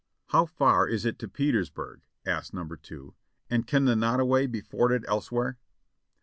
"How far is it to Petersburg?" asked number 2; "and can the Nottoway be forded elsewhere?"